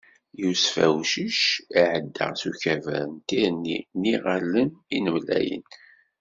Yusef Awcic iɛedda s ukabar n Tirni n Yiɣallen Inemlayen.